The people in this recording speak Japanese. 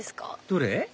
どれ？